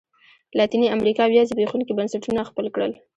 لاتینې امریکا بیا زبېښونکي بنسټونه خپل کړل.